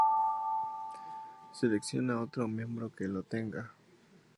Selecciona a otro miembro que la tenga.